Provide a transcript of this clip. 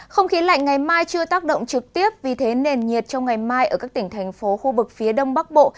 không khí lạnh ngày mai chưa tác động trực tiếp vì thế nền nhiệt trong ngày mai ở các tỉnh thành phố khu vực phía đông bắc bộ